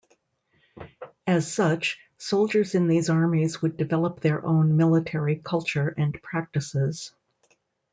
As such, soldiers in these armies would develop their own military culture and practices.